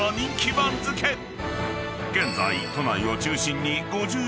［現在］